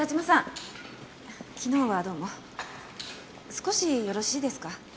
少しよろしいですか？